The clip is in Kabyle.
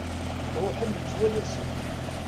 Ṛuḥen metwal asif.